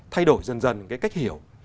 thay đổi dần dần cái cách hiểu